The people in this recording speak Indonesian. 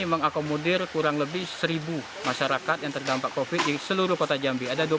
mengakomodir kurang lebih seribu masyarakat yang terdampak covid di seluruh kota jambi ada dua puluh tiga